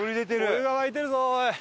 お湯が湧いてるぞおい。